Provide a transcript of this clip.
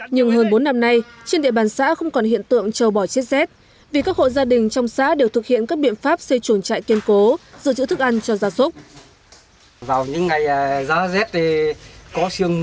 nhưng hơn bốn năm nay trên địa bàn xã không còn hiện tượng châu bò chết rét vì các hộ gia đình trong xã đều thực hiện các biện pháp xây chuồng trại kiên cố giữ chữ thức ăn cho gia súc